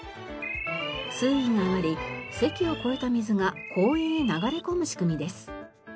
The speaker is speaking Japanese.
水位が上がり堰を越えた水が公園へ流れ込む仕組みです。